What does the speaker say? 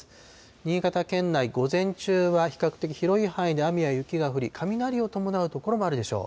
新潟県内、午前中は比較的広い範囲で雨や雪が降り、雷を伴う所もあるでしょう。